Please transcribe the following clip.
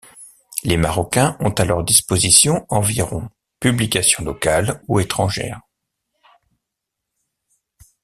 Les Marocains ont à leur disposition environ publications locales ou étrangères.